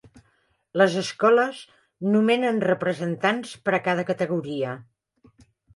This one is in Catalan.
Les escoles nomenen representants per a cada categoria.